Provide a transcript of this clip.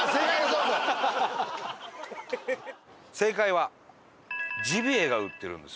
正解はジビエが売ってるんですこれ。